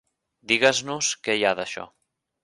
Digues-nos què hi ha d'això.